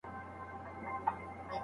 یوني سیسټم د سږو ژورې برخې معاینه کوي.